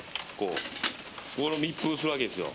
密封するわけですよ。